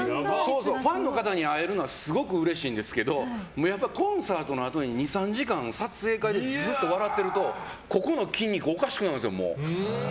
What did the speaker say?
ファンの方に会えるのはすごくうれしいんですけどコンサートのあとに２３時間、撮影会でずっと笑ってると、顔の筋肉がおかしくなるんですよ、もう。